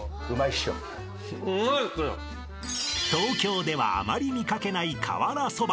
［東京ではあまり見掛けない瓦そば］